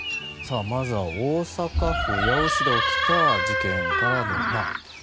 まずは大阪府八尾市で起きた事件から。